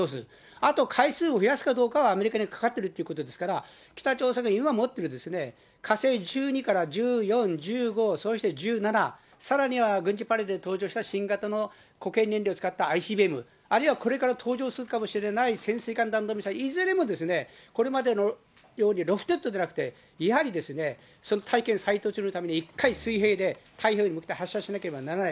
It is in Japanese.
あと、回数を増やすかどうかはアメリカにかかってるってことですから、北朝鮮の今持ってる火星１２から１４、１５、そして１７、さらには軍事パレードで登場した新型の固形燃料使ったＩＣＢＭ、あるいはこれから登場するかもしれない潜水艦弾道ミサイル、いずれもこれまでのようにロフテッドでなくて、やはりするために１回水平で太平洋に向けて発射しなければならない。